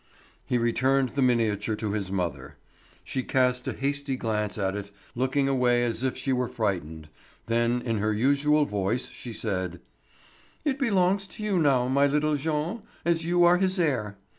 He returned the miniature to his mother. She cast a hasty glance at it, looking away as if she were frightened; then in her usual voice she said: "It belongs to you now, my little Jean, as you are his heir.